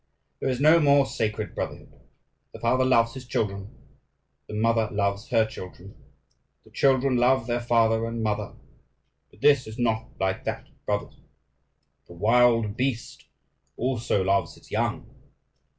There is no more sacred brotherhood. The father loves his children, the mother loves her children, the children love their father and mother; but this is not like that, brothers. The wild beast also loves its young.